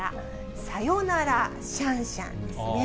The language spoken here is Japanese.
さよならシャンシャンですね。